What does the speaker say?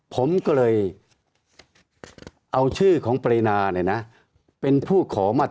ผมก็เลยเอาชื่อของบรินาเนี่ยนะ